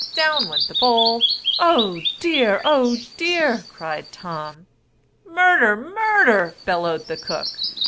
Down went the bowl. "Oh dear; oh dear!" cried Tom; "Murder! murder!" bellowed the cook!